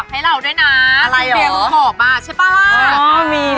ให้ใครดี